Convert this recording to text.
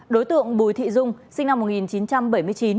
đối tượng bùi thị dung sinh năm một nghìn chín trăm bảy mươi chín